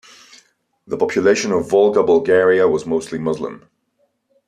The population of Volga Bulgaria was mostly Muslim.